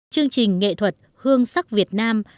chương trình nghệ thuật hương sắc việt nam